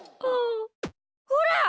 ほら！